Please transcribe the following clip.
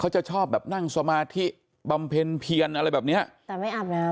จะชอบแบบนั่งสมาธิบำเพ็ญเพียนอะไรแบบเนี้ยแต่ไม่อาบน้ำ